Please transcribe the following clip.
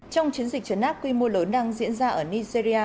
trong chiến dịch trấn áp quy mô lớn đang diễn ra ở nigeria